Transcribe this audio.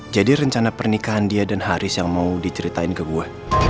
jadi rencana pernikahan dia dan haris yang mau diceritain ke gue